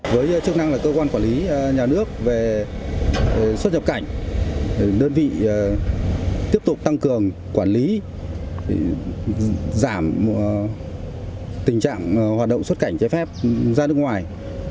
với chức năng là cơ quan quản lý nhà nước về xuất nhập cảnh đơn vị tiếp tục tăng cường quản lý giảm tình trạng hoạt động xuất cảnh trái phép ra nước ngoài